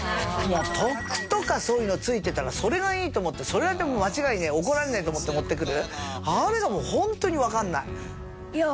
「特」とかそういうの付いてたらそれがいいと思ってそれで間違いねえ怒られないと思って持ってくる。